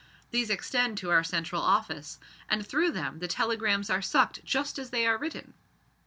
These extend to our central office, and through them the telegrams are sucked just as they are written.